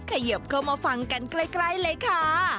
เขยิบเข้ามาฟังกันใกล้เลยค่ะ